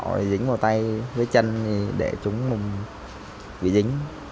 thì dính vào tay với chân thì để trúng mùng bị dính